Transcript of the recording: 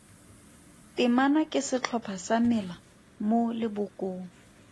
Temana ke setlhopha sa mela mo lebokong.